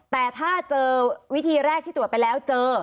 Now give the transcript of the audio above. แต่ถ้าเจอวิธีแรกที่ตรวจไปแล้วเจอ